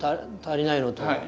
足りないのと。